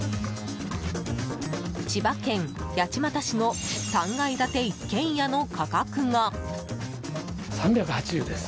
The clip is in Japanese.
千葉県八街市の３階建て一軒家の価格が。